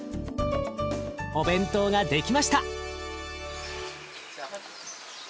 お弁当が出来ました。